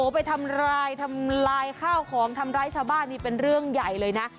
ไปทำร้ายทำลายข้าวของทำร้ายชาวบ้านนี่เป็นเรื่องใหญ่เลยนะ